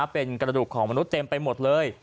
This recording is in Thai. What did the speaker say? เป็นกระดูกของมนุษย์เต็มไปหมดเลย